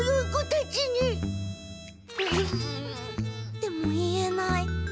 でも言えない。